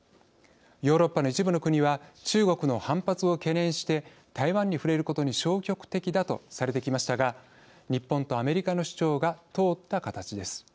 ヨーロッパの一部の国は中国の反発を懸念して台湾に触れることに消極的だとされてきましたが日本とアメリカの主張が通った形です。